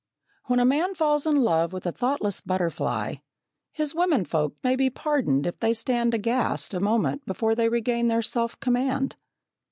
When a man falls in love with a thoughtless butterfly, his womenfolk may be pardoned if they stand aghast a moment before they regain their self command.